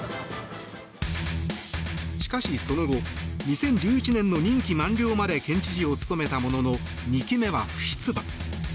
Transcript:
しかし、その後２０１１年の任期満了まで県知事を務めたものの２期目は不出馬。